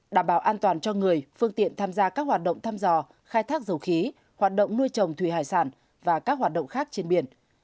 đảm bảo an toàn cho người phương tiện tham gia các hoạt động thăm dò khai thác dầu khí hoạt động nuôi trồng thủy hải sản và các hoạt động khác trên biển